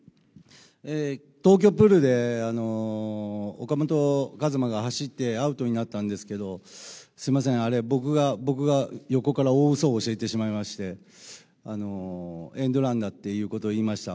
東京プールで、岡本和真が走ってアウトになったんですけど、すみません、あれ、僕が横から大うそを教えてしまいまして、エンドランだっていうことを言いました。